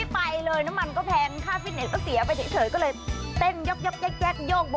แพง